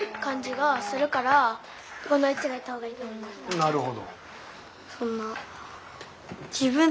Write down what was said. なるほど。